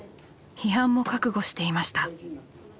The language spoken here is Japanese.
批判も覚悟していました。